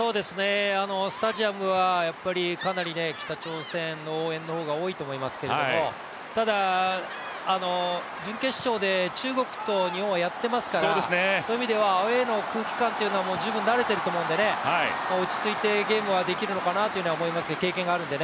スタジアムはかなり北朝鮮の応援の方が多いと思いますけれどもただ、準決勝で中国と日本はやっていますから、そういう意味ではアウェーの空気感というのは十分慣れていると思うんで、落ち着いてゲームはできるのかなと思います、経験があるので。